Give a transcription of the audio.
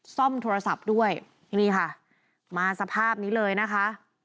ซ่อมโทรศัพท์ด้วยนี่ค่ะมาสภาพนี้เลยนะคะ